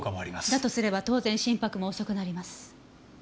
だとすれば当然心拍も遅くなります。